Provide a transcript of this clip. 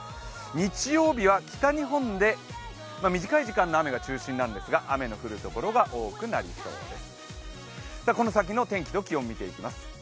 日曜日は北日本で短い時間の雨が中心ですが雨の降る所が多くなりそうです。